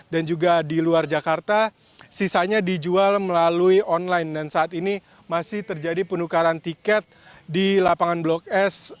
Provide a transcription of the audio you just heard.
dan juga di luar jakarta sisanya dijual melalui online dan saat ini masih terjadi penukaran tiket di lapangan blok s